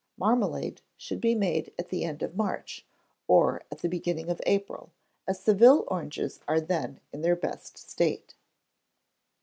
Marmalade should be made at the end of March, or at the beginning of April, as Seville oranges are then in their best state.